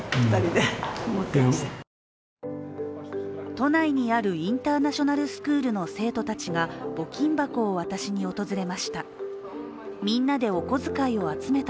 都内にあるインターナショナルスクールの生徒たちが募金箱を渡しに訪れました。